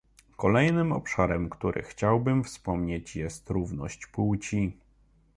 Kolejnym obszarem, który chciałbym wspomnieć, jest równość płci